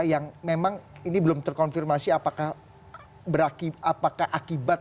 yang memang ini belum terkonfirmasi apakah akibat